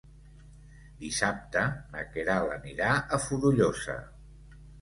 Dissabte na Queralt anirà a Fonollosa.